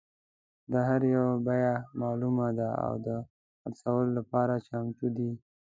د هر یو بیه معلومه ده او د خرڅلاو لپاره چمتو دي.